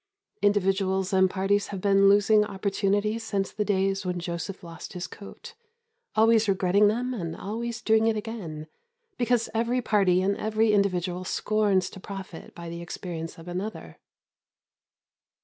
Individuals and parties have been losing opportunities since the days when Joseph lost his coat; always regretting them and always doing it again, because every party and every individual scorns to profit by the experience of another.